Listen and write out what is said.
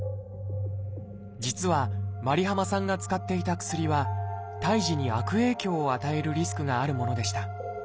実はｍａｒｉｈａｍａさんが使っていた薬は胎児に悪影響を与えるリスクがあるものでした。